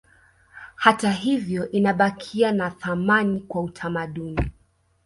Hata hivyo inabakia na thamani kwa utamaduni